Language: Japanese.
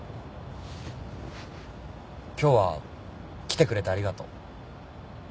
今日は来てくれてありがとう。